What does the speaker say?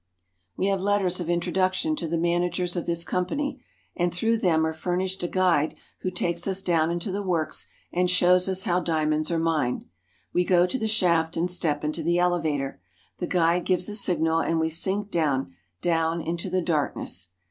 We have letters of introduction to the managers of this company, and through them are furnished a guide who takes us down into the works and shows us how diamonds are mined. We go to the shaft and step into the elevator. The guide giyes a signal and we sink down, down into the darkness.